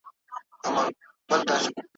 ځینې ټولنې د وخت په تېرېدو له منځه ځي.